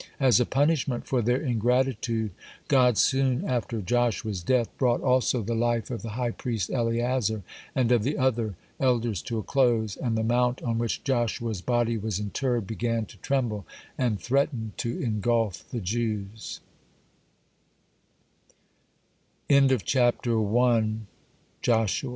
As a punishment for their ingratitude, God, soon after Joshua's death, brought also the life of the high priest Eleazar and of the other elders to a close, and the mount on which Joshua's body was interred began to tremble, and threatened to en